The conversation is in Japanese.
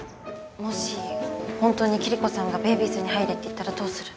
もしホントにキリコさんがベイビーズに入れって言ったらどうする？